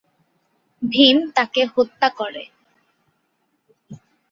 ভীম তাকে হত্যা করে।